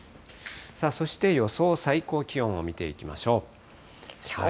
さあ、そして予想最高気温を見ていきましょう。